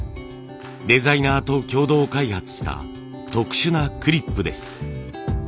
デザイナーと共同開発した特殊なクリップです。